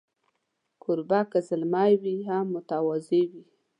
کوربه که زلمی وي، هم متواضع وي.